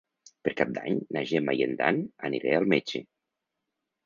Per Cap d'Any na Gemma i en Dan aniré al metge.